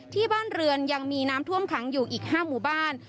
ที่บ้านเรือนยังมีน้ำท่วมขังอยู่อีก๕หมู่บ้าน